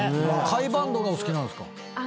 甲斐バンドがお好きなんですか？